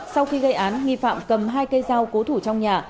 sau khi gây án nghi phạm cầm hai cây dao cố thủ trong nhà